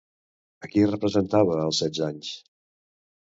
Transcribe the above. A qui representava als setze anys?